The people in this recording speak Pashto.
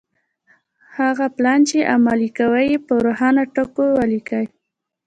هغه پلان چې عملي کوئ يې په روښانه ټکو وليکئ.